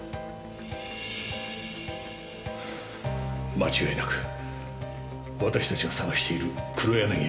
間違いなく私たちが捜している黒柳恵美です。